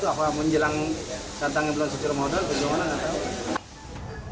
apa menjelang datangnya bulan sejumlah modal gimana tidak tahu